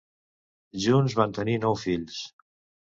Junts van tenir nou fills.